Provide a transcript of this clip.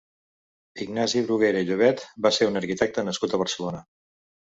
Ignasi Brugueras i Llobet va ser un arquitecte nascut a Barcelona.